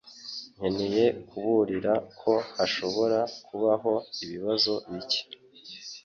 Nkeneye kuburira ko hashobora kubaho ibibazo bike